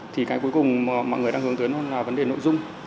thì cái cuối cùng mọi người đang hướng tướng là vấn đề nội dung